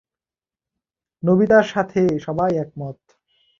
নোবিতার সাথে সবাই একমত।